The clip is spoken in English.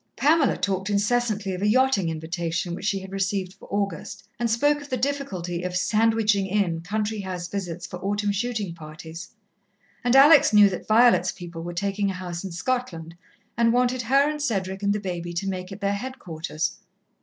Pamela talked incessantly of a yachting invitation which she had received for August, and spoke of the difficulty of "sandwiching in" country house visits for autumn shooting parties, and Alex knew that Violet's people were taking a house in Scotland, and wanted her and Cedric and the baby to make it their headquarters.